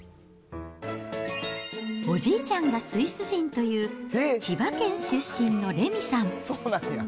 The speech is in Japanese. おじいちゃんがスイス人という千葉県出身の玲美さん。